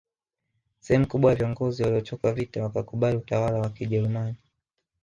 Sehemu kubwa ya viongozi waliochoka vita wakakubali utawala wa kijerumani